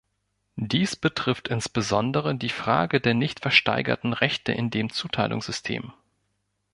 Dies betrifft insbesondere die Frage der nicht versteigerten Rechte in dem Zuteilungssystem.